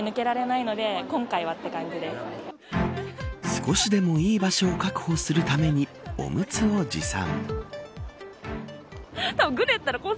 少しでもいい場所を確保するためにおむつを持参。